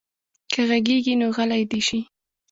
که غږېږي نو غلی دې شي.